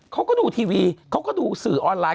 เขาก็ดูทีวีเขาก็ดูสื่อออนไลน